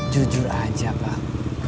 jujur aja pak